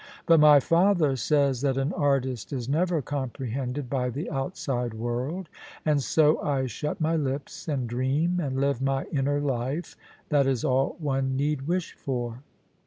But my father says that an artist is never comprehended by the outside world, and so I shut my lips, and dream and live my inner life — that is all one need wish for.